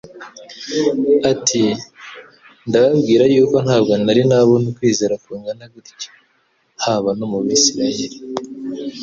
ati : «Ndababwira yuko ntabwo nari nabona ukwizera kungana gutya, haba no mu bisiraheli».